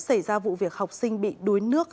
xảy ra vụ việc học sinh bị đuối nước